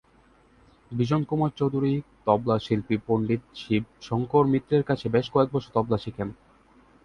বিজন কুমার চৌধুরী তবলা শিল্পী পণ্ডিত শিব শঙ্কর মিত্রের কাছে বেশ কয়েক বছর তবলা শিখেন।